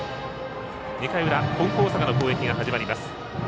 ２回裏、金光大阪の攻撃が始まります。